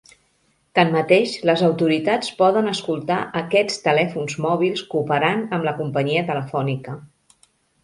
Tanmateix, les autoritats poden escoltar aquests telèfons mòbils cooperant amb la companyia telefònica.